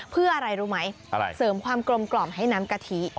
เพื่ออะไรรู้ไหมอะไรเสริมความกลมกล่อมให้น้ำกะทิ